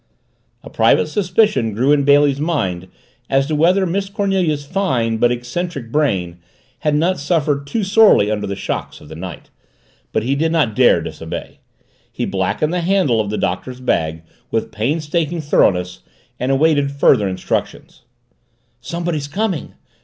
A private suspicion grew in Bailey's mind as to whether Miss Cornelia's fine but eccentric brain had not suffered too sorely under the shocks of the night. But he did not dare disobey. He blackened the handle of the Doctor's bag with painstaking thoroughness and awaited further instructions. "Somebody's coming!"